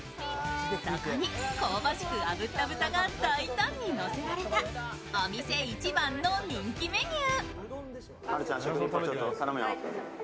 そこに香ばしく炙った豚が大胆にのせられたお店一番の人気メニュー。